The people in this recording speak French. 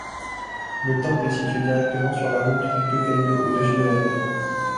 Le temple est situé directement sur la route du Tokaido au-dessus de la mer.